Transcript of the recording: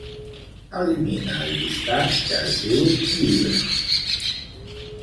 Elimina el llistat que es diu "llibres".